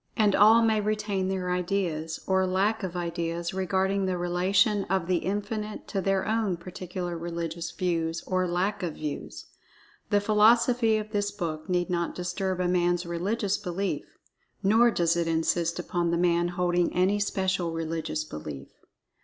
And all may retain their ideas, or lack of ideas, regarding the relation of The Infinite to their own particular religious views, or lack of views. The philosophy of this book need not disturb a man's religious belief—nor does it insist upon the man holding any special religious belief.